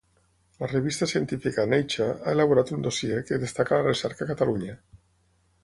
La revista científica "Nature" ha elaborat un dossier que destaca la recerca a Catalunya.